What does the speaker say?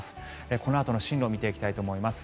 このあとの進路を見ていきたいと思います。